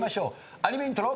アニメイントロ。